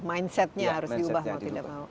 mindsetnya harus diubah mau tidak mau